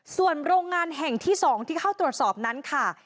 ส่วนโรงงานแห่งที่๒ที่เข้าตรวจสอบนั้นค่ะ